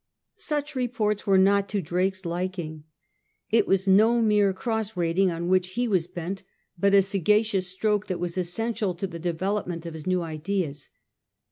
Such reports were not to Drake's liking. It was no mere cross raiding on which he was bent, but a sagacious stroke that was essential to the development of his new ideas.